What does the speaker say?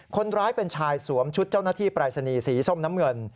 คนร้ายเป็นชายสวมชุดเจ้าหน้าที่ปรายศนีย์สีส้มน้ำเงิน